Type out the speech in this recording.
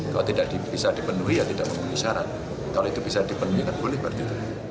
kalau tidak bisa dipenuhi ya tidak memenuhi syarat kalau itu bisa dipenuhi kan boleh berarti